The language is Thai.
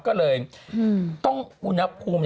ก็เลยต้องอุณหภูมิ